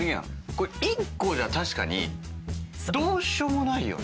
これ１個じゃ確かにどうしようもないよね。